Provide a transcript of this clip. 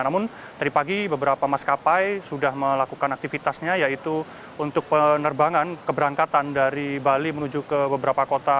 namun tadi pagi beberapa maskapai sudah melakukan aktivitasnya yaitu untuk penerbangan keberangkatan dari bali menuju ke beberapa kota